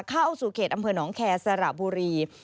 เข้าสู่เขตอำเภอหนองแคร์สระบุรี